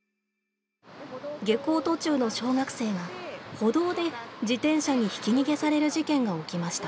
下校途中の小学生が歩道で自転車にひき逃げされる事件が起きました。